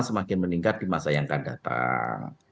semakin meningkat di masa yang akan datang